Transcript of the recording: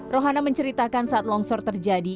rohana menceritakan saat longsor terjadi